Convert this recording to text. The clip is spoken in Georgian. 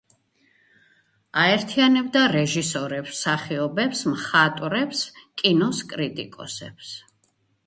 აერთიანებდა რეჟისორებს, მსახიობებს, მხატვრებს, კინოს კრიტიკოსებს.